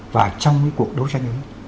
và trong cuộc đấu tranh